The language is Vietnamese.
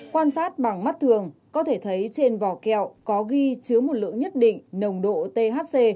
quan sát bằng mắt thường có thể thấy trên vỏ kẹo có ghi chứa một lượng nhất định nồng độ thc